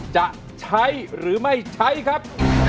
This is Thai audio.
จะใช้หรือไม่ใช้ครับ